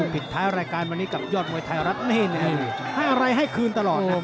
ปิดท้ายรายการวันนี้กับยอดมวยไทยรัฐ